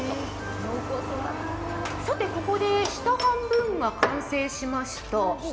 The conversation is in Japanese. さて、ここで下半分が完成しました